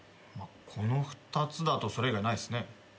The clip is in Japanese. この２つだとそれ以外ないっすね。